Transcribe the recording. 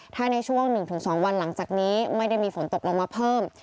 ถ้าในช่วง๑๒วันหลังจากนี้ไม่ได้มีฝนตกลงมาเพิ่ม